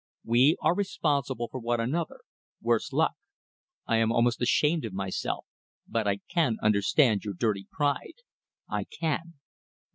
We are responsible for one another worse luck. I am almost ashamed of myself, but I can understand your dirty pride. I can!